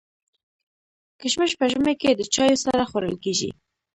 کشمش په ژمي کي د چايو سره خوړل کيږي.